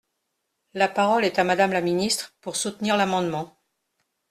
La parole est à Madame la ministre, pour soutenir l’amendement.